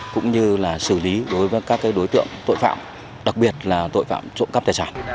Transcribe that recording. cũng như là xử lý đối với các đối tượng tội phạm đặc biệt là tội phạm trộm cắp tài sản